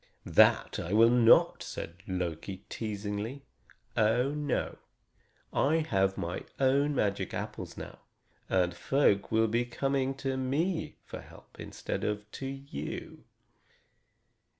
"That I will not," said Loki teasingly. "Oh, no! I have my own magic apples now, and folk will be coming to me for help instead of to you."